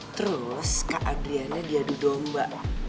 terus kak adriana diadu domba